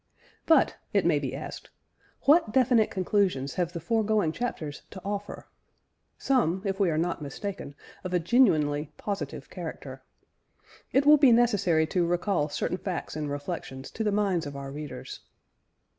But, it may be asked, what definite conclusions have the foregoing chapters to offer? Some, if we are not mistaken, of a genuinely positive character. It will be necessary to recall certain facts and reflections to the minds of our readers.